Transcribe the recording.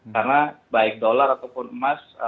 karena baik dolar ataupun emas